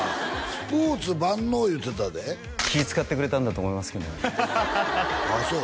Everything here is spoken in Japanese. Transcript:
スポーツ万能言うてたで気ぃ使ってくれたんだと思いますけどああそう？